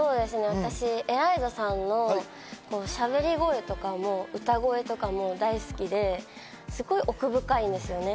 私、ＥＬＡＩＺＡさんのしゃべり声とか歌声とかも大好きで、奥深いんですよね。